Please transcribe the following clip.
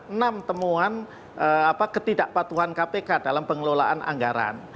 enam temuan ketidakpatuhan kpk dalam pengelolaan anggaran